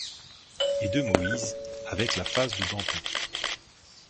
Et de Moïse, avec la face de Danton